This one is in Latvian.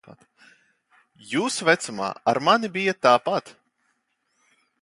Jūsu vecumā ar mani bija tāpat.